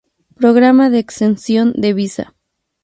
Programa de exención de visa